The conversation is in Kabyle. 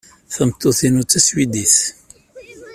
Tameṭṭut-inu d taswidit.